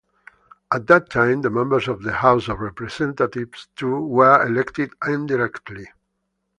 At that time, the members of the House of Representatives too were elected indirectly.